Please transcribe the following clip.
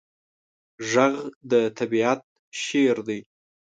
غږ د طبیعت شعر دی